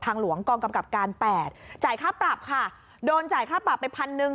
หลวงกองกำกับการแปดจ่ายค่าปรับค่ะโดนจ่ายค่าปรับไปพันหนึ่ง